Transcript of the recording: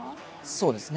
そうですね。